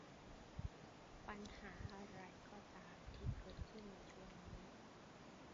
ปัญหาอะไรก็ตามที่เกิดขึ้นในช่วงนี้